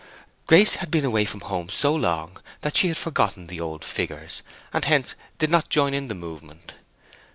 Grace had been away from home so long that she had forgotten the old figures, and hence did not join in the movement.